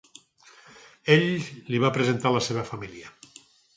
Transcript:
Ell li va presentar la seva família.